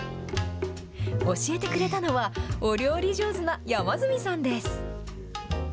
教えてくれたのは、お料理上手な山住さんです。